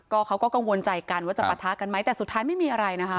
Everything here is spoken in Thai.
เขาก็กังวลใจกันว่าจะปะทะกันไหมแต่สุดท้ายไม่มีอะไรนะคะ